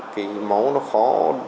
cái máu nó khó